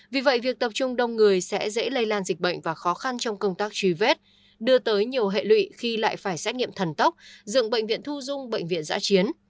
vì vậy việc tập trung đông người sẽ dễ lây lan dịch bệnh và khó khăn trong công tác truy vết đưa tới nhiều hệ lụy khi lại phải xét nghiệm thần tốc dựng bệnh viện thu dung bệnh viện giã chiến